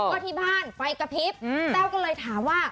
ว่าที่บ้านไฟกระพริบแต้วก็เลยถามว่า